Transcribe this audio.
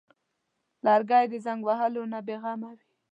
لرګی د زنګ وهلو نه بېغمه وي.